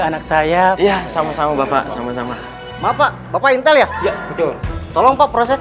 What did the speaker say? anak saya sama sama bapak sama sama bapak bapak intel ya betul tolong pak proses